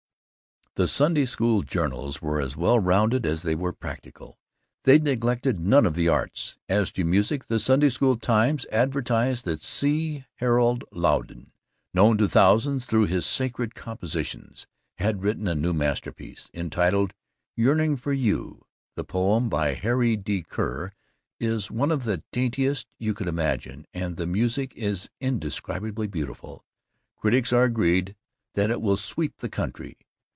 The Sunday School journals were as well rounded as they were practical. They neglected none of the arts. As to music the Sunday School Times advertised that C. Harold Lowden, "known to thousands through his sacred compositions," had written a new masterpiece, "entitled 'Yearning for You.' The poem, by Harry D. Kerr, is one of the daintiest you could imagine and the music is indescribably beautiful. Critics are agreed that it will sweep the country.